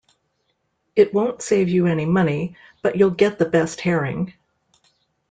It won't save you any money: but you'll get the best herring.